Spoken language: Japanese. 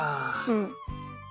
うん。